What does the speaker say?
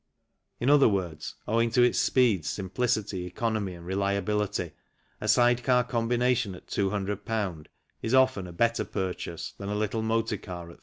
In other words, owing to its speed, simplicity, economy, and reliability, a side car combination at 200 is often a better purchase than a little motor car at 300.